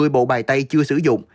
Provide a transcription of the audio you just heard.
một mươi bộ bài tay chưa sử dụng